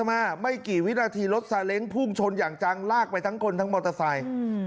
มาไม่กี่วินาทีรถซาเล้งพุ่งชนอย่างจังลากไปทั้งคนทั้งมอเตอร์ไซค์